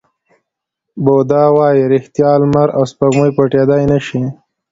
بودا وایي ریښتیا، لمر او سپوږمۍ پټېدای نه شي.